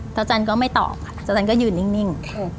เท้าจันก็ไม่ตอบอะเท้าจันก็ยืนนิ่ง